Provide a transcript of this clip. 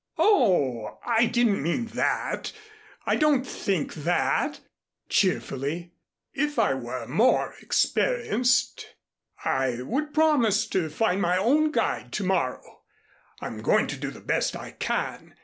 "Oh, I didn't mean that. I don't think that," cheerfully. "If I were more experienced, I would promise to find my own guide to morrow. I'm going to do the best I can.